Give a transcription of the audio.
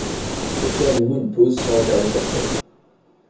Je fais à nouveau une pause sans regarder personne.